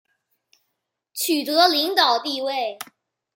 取得领导地位